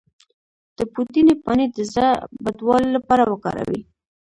د پودینې پاڼې د زړه بدوالي لپاره وکاروئ